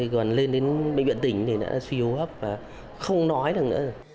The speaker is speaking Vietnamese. còn lên đến bệnh viện tỉnh thì đã suy hô hấp và không nói được nữa